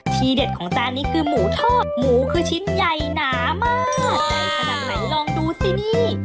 เด็ดของจานนี้คือหมูทอดหมูคือชิ้นใหญ่หนามากใหญ่ขนาดไหนลองดูสินี่